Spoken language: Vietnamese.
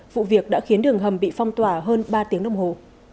vụ việc đã khiến đường hầm bị phong tỏa hơn ba tiếng đồng hồ